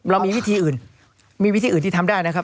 เรามีวิธีอื่นมีวิธีอื่นที่ทำได้นะครับ